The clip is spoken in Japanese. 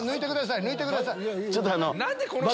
抜いてください。